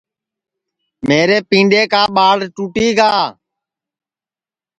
میرے پینڈؔے کا ٻاݪ ٹُوٹی گا